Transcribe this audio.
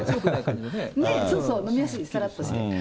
そうそう、飲みやすい、さらっとして。